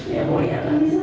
yang mau yang tak bisa